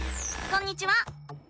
こんにちは。